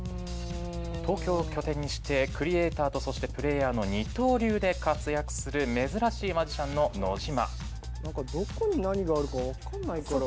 東京を拠点にしてクリエイターとそしてプレーヤーの二刀流で活躍する珍しいマジシャンの野島。